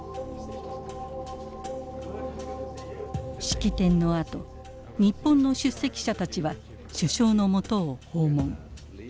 式典のあと日本の出席者たちは首相のもとを訪問。